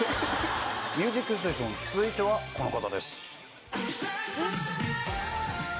『ミュージックステーション』続いてはこの方です。